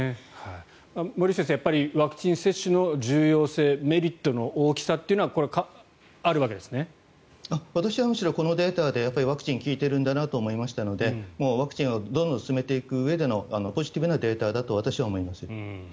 森内先生、やっぱりワクチン接種の重要性メリットの大きさというのは私はむしろこのデータでワクチン効いているんだなと思いましたのでワクチンを進めていくうえでのポジティブなデータだと私は思います。